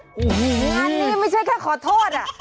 งานนี้ไม่ใช่แค่ขอโทษ